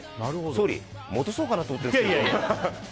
総理、戻そうかなと思ってるんですけど。